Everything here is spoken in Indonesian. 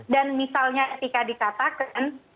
dan misalnya ketika dikatakan